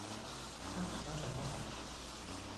相輔相成哦